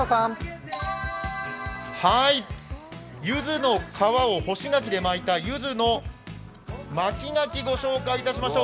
ゆずの皮を干し柿で巻いたゆずの巻き干し柿、ご紹介しましょう。